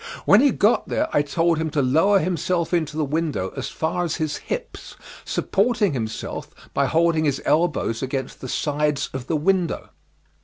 When he got there I told him to lower himself into the window as far as his hips, supporting himself by holding his elbows against the sides of the window.